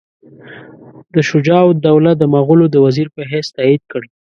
ده شجاع الدوله د مغولو د وزیر په حیث تایید کړ.